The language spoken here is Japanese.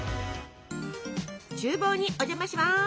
ちゅう房にお邪魔します。